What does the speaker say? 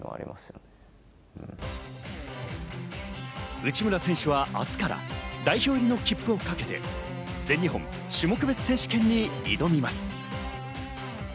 内村選手は明日から代表入りの切符をかけて全日本種目別選手権に挑みます。